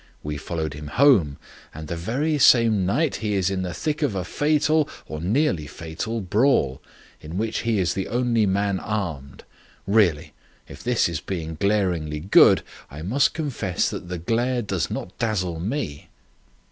We followed him home, and the very same night he is in the thick of a fatal, or nearly fatal, brawl, in which he is the only man armed. Really, if this is being glaringly good, I must confess that the glare does not dazzle me."